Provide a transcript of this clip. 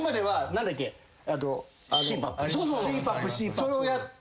それをやって。